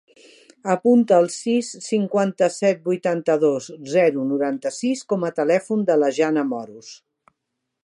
Apunta el sis, cinquanta-set, vuitanta-dos, zero, noranta-sis com a telèfon de la Jana Moros.